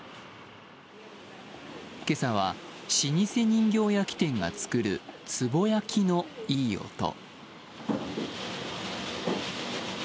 今朝は老舗人形焼き店が作る、つぼ焼のいい音。